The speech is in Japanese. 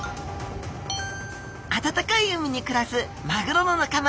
暖かい海に暮らすマグロの仲間